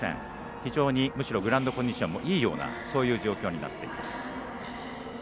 非常にむしろグラウンドコンディションもいいようなそんな状況になっています。